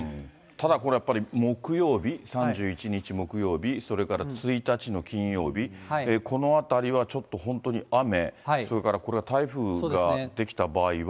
ただこれやっぱり、木曜日、３１日木曜日、それから１日の金曜日、この辺りはちょっと本当に雨、それからこれは台風が出来た場合は。